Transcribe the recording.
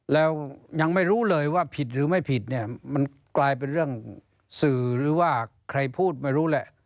แล้วยังไม่รู้เลยว่าผิดหรือไม่ผิดเนี่ยมันกลายเป็นเรื่องสื่อหรือว่าใครพูดไม่รู้แหละ